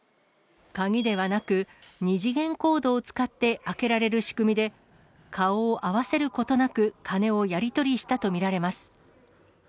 鍵ではなく、２次元コードを使って開けられる仕組みで、顔を合わせることなく、金をやり取りしたと見られます。